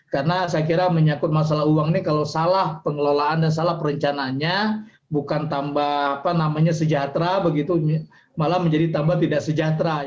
karena saya kira menyakut masalah uang ini kalau salah pengelolaan dan salah perencanaannya bukan tambah apa namanya sejahtera begitu malah menjadi tambah tidak sejahtera